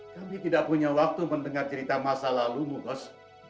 kami tidak punya waktu mendengar cerita masa lalu kos